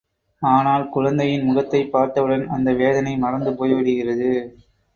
ஆனால் குழந்தையின் முகத்தைப் பார்த்தவுடன் அந்த வேதனை மறந்து போய்விடுகிறது.